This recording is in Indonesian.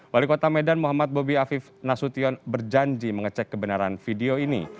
wali kota medan muhammad bobi afif nasution berjanji mengecek kebenaran video ini